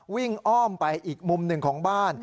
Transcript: อ้อมไปอีกมุมหนึ่งของบ้าน